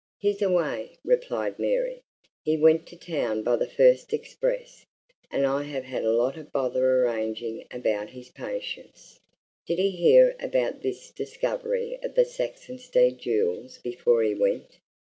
"He's away," replied Mary. "He went to town by the first express, and I have had a lot of bother arranging about his patients." "Did he hear about this discovery of the Saxonsteade jewels before he went?"